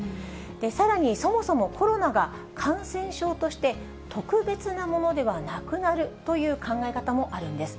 さらに、そもそもコロナが、感染症として特別なものではなくなるという考え方もあるんです。